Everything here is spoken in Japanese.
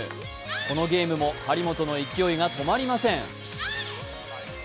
このゲームも張本の勢いが止まりません。